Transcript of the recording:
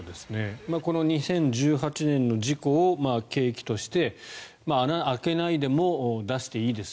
この２０１８年の事故を契機として穴を開けないでも出していいですよ